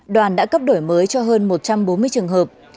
đoàn đã cấp đổi mới cho hơn một trăm bốn mươi trường hợp